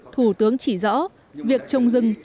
thủ tướng chỉ rõ việc trồng rừng